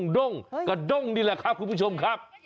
ด้งกระด้งนี่แหละครับคุณผู้ชมครับ